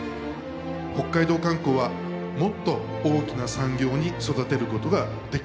北海道観光はもっと大きな産業に育てることができると信じています。